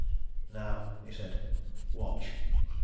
"Now," he said. "Watch!"